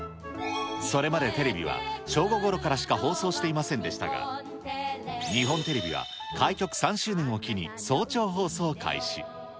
それまでテレビは正午ごろからしか放送していませんでしたが、日本テレビは開局３周年を機に早朝放送を開始。